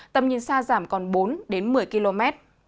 tầm nhìn xa giảm còn bốn một mươi km